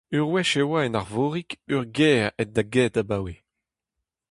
Ur wech e oa en Arvorig ur gêr aet da get abaoe.